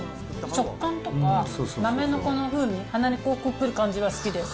食感とか豆のこの風味、鼻に来る感じが好きです。